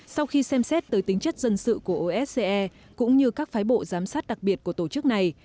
sau khi xem xét tới tính chất dân sự của osa cũng như các phái bộ giám sát đặc biệt của tổ chức này